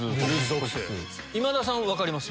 今田さん分かります？